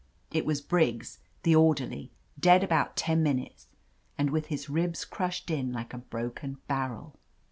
It was Briggs, the orderly, dead about ten minutes, and with his ribs crushed in like a broken barrel.